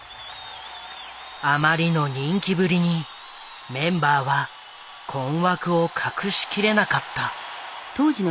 あまりの人気ぶりにメンバーは困惑を隠し切れなかった。